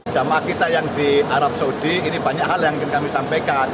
jamaah kita yang di arab saudi ini banyak hal yang ingin kami sampaikan